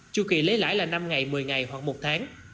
chu kỳ lấy lãi là năm ngày một mươi ngày hoặc một tháng